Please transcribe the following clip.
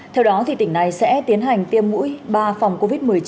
theo đó tỉnh này sẽ tiến hành tiêm mũi ba phòng covid một mươi chín